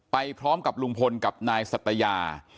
ไปพร้อมกับลุงพลกับนายสัตยา